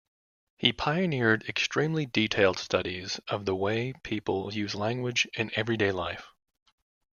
He pioneered extremely detailed studies of the way people use language in everyday life.